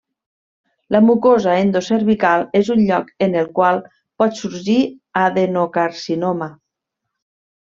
La mucosa endocervical és un lloc en el qual pot sorgir adenocarcinoma.